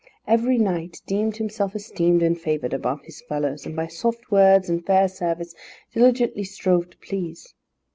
Every knight deemed himself esteemed and favoured above his fellows, and by soft words and fair service diligently strove to please.